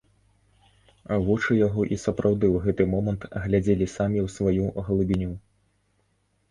Вочы яго і сапраўды ў гэты момант глядзелі самі ў сваю глыбіню.